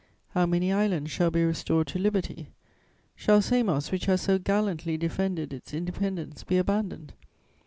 How many islands shall be restored to liberty? Shall Samos, which has so gallantly defended its independence, be abandoned?